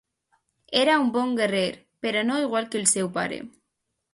Era un bon guerrer però no igual que el seu pare.